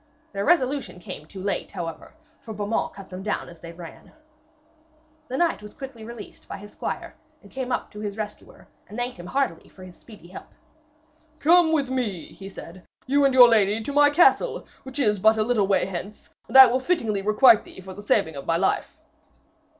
Their resolution came too late, however, for Beaumains cut them down as they ran. The knight was quickly released by his squire, and came up to his rescuer, and thanked him heartily for his speedy help. 'Come with me,' he said, 'you and your lady, to my castle, which is but a little way hence, and I will fittingly requite thee for the saving of my life.'